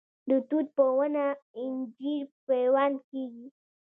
د توت په ونه انجیر پیوند کیږي؟